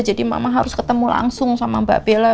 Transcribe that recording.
jadi mama harus ketemu langsung sama mbak bella